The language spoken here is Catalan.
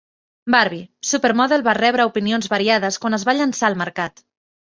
Barbie: Super Model va rebre opinions variades quan es va llançar al mercat.